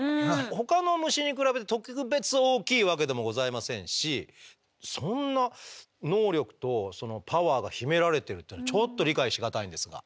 ほかの虫に比べて特別大きいわけでもございませんしそんな能力とそのパワーが秘められてるっていうのがちょっと理解し難いんですが。